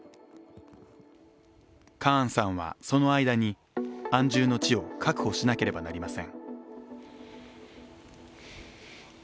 カーンさんは、その間に安住の地を確保しなければなりません。